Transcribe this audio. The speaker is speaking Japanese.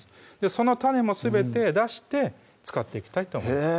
その種もすべて出して使っていきたいと思います